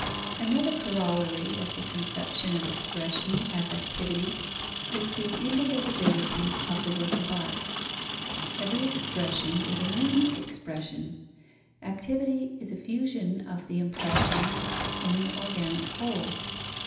_ Another corollary of the conception of expression as activity is the indivisibility of the work of art. Every expression is a unique expression. Activity is a fusion of the impressions in an organic whole.